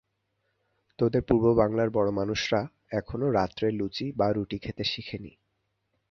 তোদের পূর্ব-বাঙলার বড় মানুষেরাও এখনও রাত্রে লুচি বা রুটি খেতে শেখেনি।